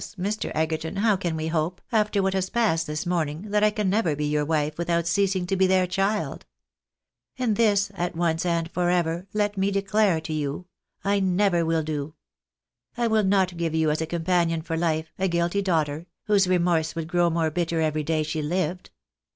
Mr. Egerton, how can we hope, after what has passed this morning, that I can ever be your wife without ceasing to be their child ? And this, at once and for ever, let me declare to you, I never will do ! I will not give you as a companion for life, a guilty daughter, whose remorse would grow more bitter every day she lived.